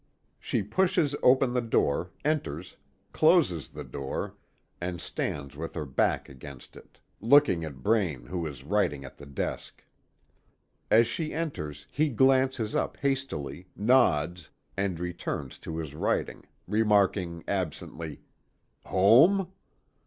She pushes open the door, enters, closes the door, and stands with her back against it, looking at Braine who is writing at the desk. As she enters, he glances up hastily, nods, and returns to his writing, remarking absently: "Home?"